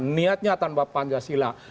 niatnya tanpa pancasila